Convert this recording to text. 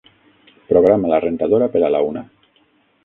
Programa la rentadora per a la una.